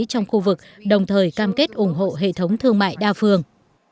trong khu vực đồng thời cam kết ủng hộ hệ thống thương mại đa phương